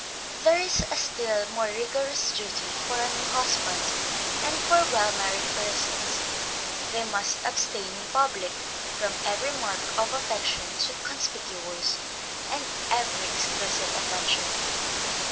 There is a still more rigorous duty for a new husband, and for well married persons; they must abstain in public from every mark of affection too conspicuous, and every exclusive attention.